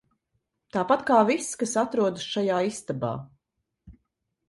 Tāpat kā viss, kas atrodas šajā istabā.